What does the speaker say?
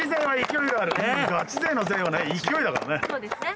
勢いだからね